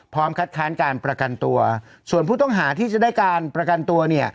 คัดค้านการประกันตัวส่วนผู้ต้องหาที่จะได้การประกันตัวเนี่ย